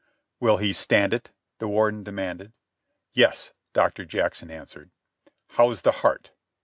"Will he stand it?" the Warden demanded. "Yes," Doctor Jackson answered. "How's the heart?"